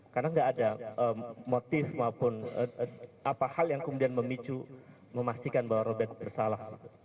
karena tidak ada motif maupun apa hal yang kemudian memicu memastikan bahwa robertus robert bersalah